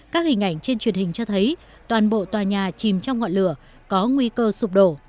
các hình ảnh trên truyền hình cho thấy toàn bộ tòa nhà chìm trong ngọn lửa có nguy cơ sụp đổ